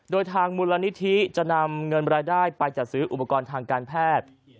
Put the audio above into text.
โดยทางมูลนิธิจะนำเงินรายได้ไปจัดซื้ออุปกรณ์ทางการแพทย์